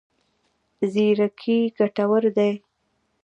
زیرکي ګټور دی.